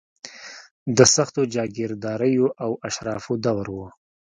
د سختو جاګیرداریو او اشرافو دور و.